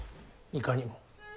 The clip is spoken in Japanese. いかにも。